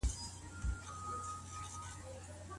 اسلامي شريعت د نکاح د ساتني لاري لري.